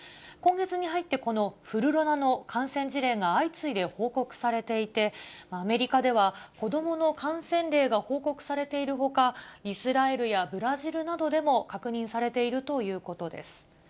今月に入ってこのフルロナの感染事例が相次いで報告されていて、アメリカでは子どもの感染例が報告されているほか、イスラエルやブラジルなどでも確認されているということです。